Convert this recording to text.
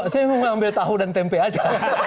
saya mau ngambil tahu dan tempe aja